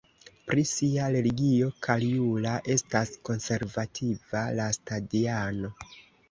Pri sia religio Karjula estas konservativa lestadiano.